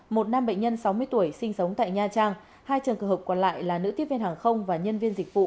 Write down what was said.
một nam bệnh nhân sáu mươi tuổi sinh sống tại nha trang hai trường hợp còn lại là nữ tiếp viên hàng không và nhân viên dịch vụ